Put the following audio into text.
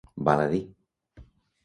Val a dir.